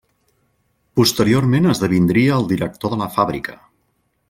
Posteriorment esdevindria el director de la fàbrica.